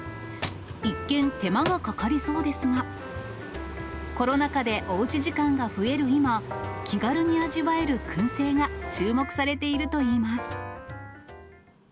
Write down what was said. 一見、手間がかかりそうですが、コロナ禍でおうち時間が増える今、気軽に味わえるくん製が注目されているといいます。